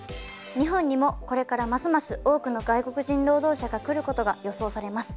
日本にもこれからますます多くの外国人労働者が来ることが予想されます。